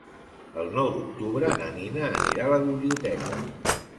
El nou d'octubre na Nina anirà a la biblioteca.